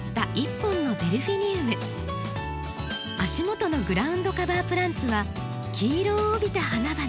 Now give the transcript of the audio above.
足元のグラウンドカバープランツは黄色を帯びた花々。